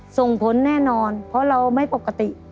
ส่งผลแน่นอนเพราะเราไม่ปกติ